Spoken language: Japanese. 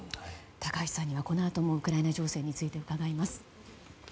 高橋さんにはこのあともウクライナ情勢について伺います。